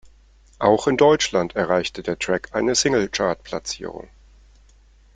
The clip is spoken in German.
Auch in Deutschland erreichte der Track eine Single-Chartplatzierung.